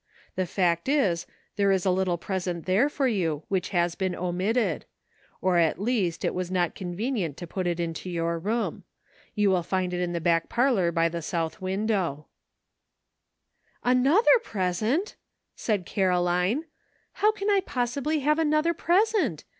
The fact is, there is a little present there for you which has been omitted ; or at least it was not convenient to put it into your room. You will find it in the back parlor by the south window." 316 "MERRY CHRISTMAS."* *' Another present!" said Caroline; "bow can I possibly have another present?